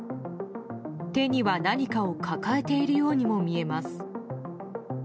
手には何かを抱えているようにも見えます。